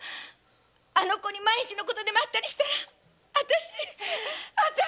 あの子に万一の事でもあったりしたら私私。